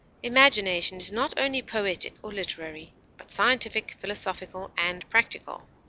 Imagination is not only poetic or literary, but scientific, philosophical, and practical.